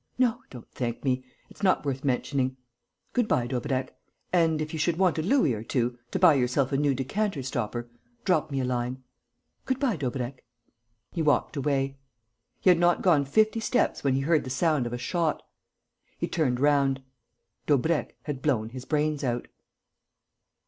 No, don't thank me: it's not worth mentioning. Good bye, Daubrecq. And, if you should want a louis or two, to buy yourself a new decanter stopper, drop me a line. Good bye, Daubrecq." He walked away. He had not gone fifty steps when he heard the sound of a shot. He turned round. Daubrecq had blown his brains out.